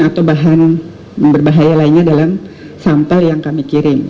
dan juga bahan berbahaya lainnya dalam sampel yang kami kirim